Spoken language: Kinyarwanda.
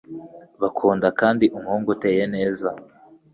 Bakunda kandi umuhungu uteye neza